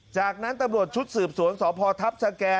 จากนั้นตำรวจชุดสืบสวนสพทัพสแก่